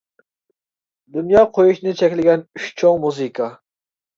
دۇنيا قويۇشنى چەكلىگەن ئۈچ چوڭ مۇزىكا!